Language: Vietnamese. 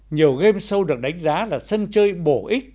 nhiều game show được đánh giá là sân chơi bổ ích